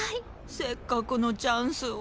せっかくのチャンスを。